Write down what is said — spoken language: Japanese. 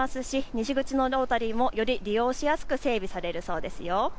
西口のロータリーもより利用しやすく整備されるそうです。